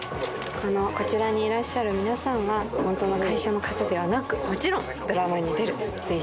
こちらにいらっしゃる皆さんはホントの会社の方ではなくもちろん」